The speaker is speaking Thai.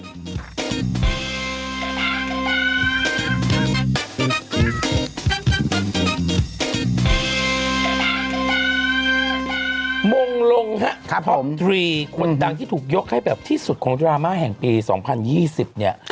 มงลงนะครับ๓คนดังที่ถูกยกให้แบบที่สุดของดราม่าแห่งปี๒๐๒๐